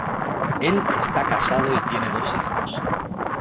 Él está casado y tiene dos hijos.